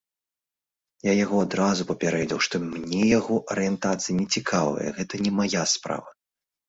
Я яго адразу папярэдзіў, што мне яго арыентацыя не цікавая, гэта не мая справа.